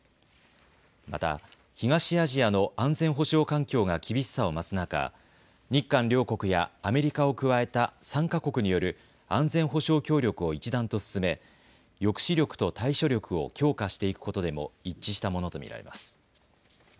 また東アジアの安全保障環境が厳しさを増す中、日韓両国やアメリカを加えた３か国による安全保障協力を一段と進め抑止力と対処力を強化していくことでも一致したものと見られます。